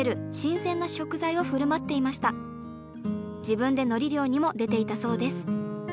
自分でのり漁にも出ていたそうです。